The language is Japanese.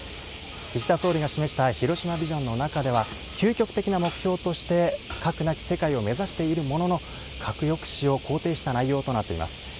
岸田総理が示した広島ビジョンの中では、究極的な目標として核なき世界を目指しているものの、核抑止を肯定した内容となっています。